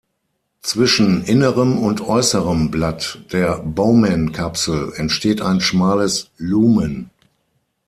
Zwischen innerem und äußerem Blatt der Bowman-Kapsel entsteht ein schmales Lumen.